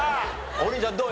王林ちゃんどう？